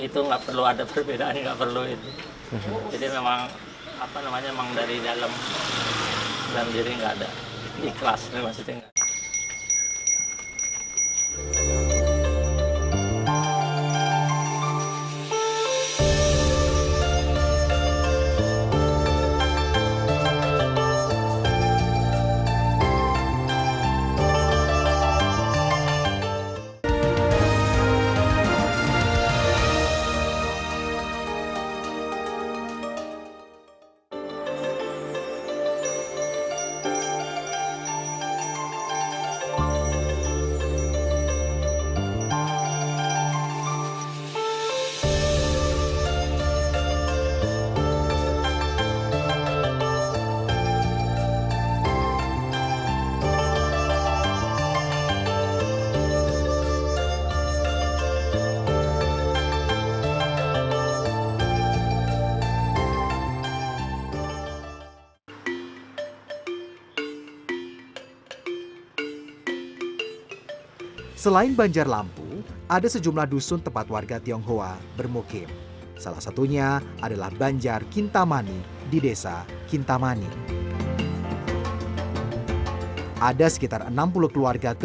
tidak ada yang perlu jadi memang dari dalam diri kita ikhlas